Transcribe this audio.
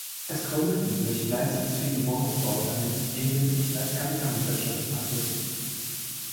Es gründeten sich leistungsfähige Wohnungsbau-Unternehmen, die im Wesentlichen als Kapitalgesellschaften agierten.